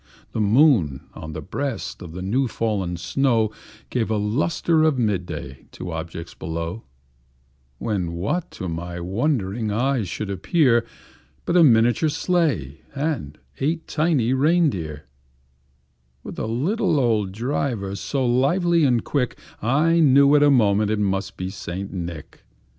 The moon, on the breast of the new fallen snow, Gave a lustre of mid day to objects below; When, what to my wondering eyes should appear, But a miniature sleigh, and eight tiny rein deer, With a little old driver, so lively and quick, I knew in a moment it must be St. Nick.